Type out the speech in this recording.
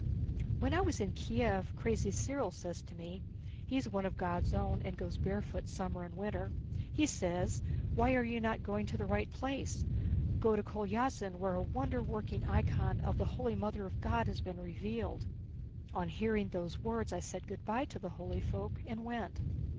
When I was in Kiev, Crazy Cyril says to me (he's one of God's own and goes barefoot summer and winter), he says, 'Why are you not going to the right place? Go to Kolyázin where a wonder working icon of the Holy Mother of God has been revealed.' On hearing those words I said good by to the holy folk and went."